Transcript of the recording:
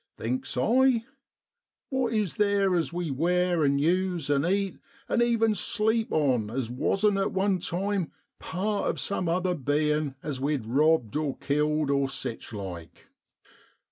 Thinks I, what is theer as we wear and use and eat and even sleep on as wasn't at one time part of some other bein' as we'd robbed or killed or sich like